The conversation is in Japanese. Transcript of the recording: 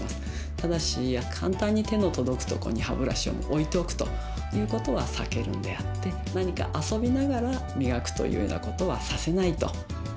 ただし簡単に手の届くとこに歯ブラシを置いておくということは避けるんであって何か遊びながらみがくというようなことはさせないと。